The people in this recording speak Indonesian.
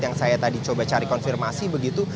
yang saya tadi coba cari konfirmasi begitu